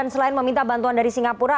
selain meminta bantuan dari singapura